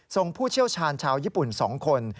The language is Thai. ผู้เชี่ยวชาญชาวญี่ปุ่น๒คน